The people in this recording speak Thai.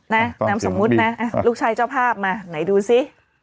นามสมมุตินะลูกชายเจ้าภาพมาไหนดูสิ